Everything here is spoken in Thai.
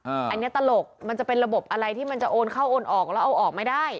อันนี้ตลกมันจะเป็นระบบอะไรที่มันจะโอนเข้าโอนออกแล้วเอาออกไม่ได้